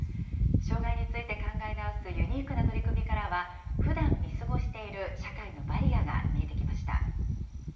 障害について考え直すユニークな取り組みからは、ふだん見過ごしている社会のバリアが見えてきました。